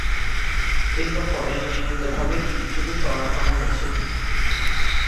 এ সফরে নিয়মিতভাবে চিকিৎসকের শরণাপন্ন হয়েছিলেন।